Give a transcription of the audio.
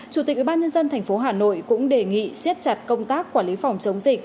chủ tịch ubnd tp hà nội cũng đề nghị siết chặt công tác quản lý phòng chống dịch